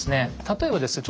例えばですね